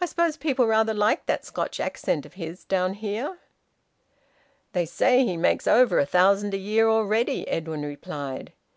I suppose people rather like that Scotch accent of his, down here?" "They say he makes over a thousand a year already," Edwin replied.